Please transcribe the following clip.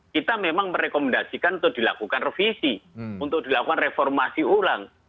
kita memang merekomendasikan untuk dilakukan revisi untuk dilakukan reformasi ulang